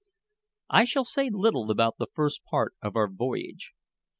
I shall say little about the first part of our voyage.